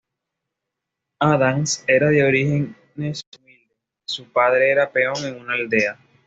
Adams era de orígenes humildes; su padre era peón en una aldea.